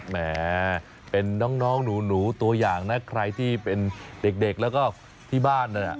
แหมเป็นน้องหนูตัวอย่างนะใครที่เป็นเด็กแล้วก็ที่บ้านนั่นน่ะ